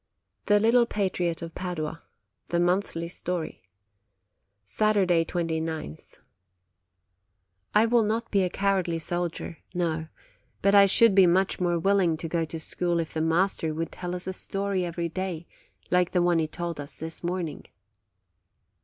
THE LITTLE PATRIOT OF PADUA (The Monthly Story,) Saturday, 29th. I will not be a "cowardly soldier," no; but I should be much more willing to go to school if the master would tell us a story every day, like the one he told us this morning.